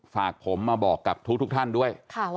ฝากผมมาบอกกับทุกท่านด้วย